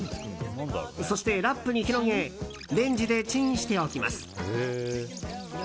そして、ラップに広げレンジでチンしておきます。